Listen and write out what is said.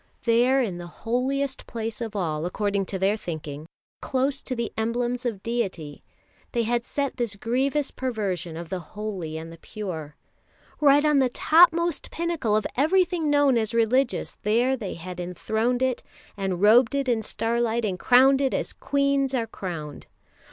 There in the holiest place of all, according to their thinking, close to the emblems of deity, they had set this grievous perversion of the holy and the pure. Right on the topmost pinnacle of everything known as religious there they had enthroned it, and robed it in starlight and crowned it as queens are crowned.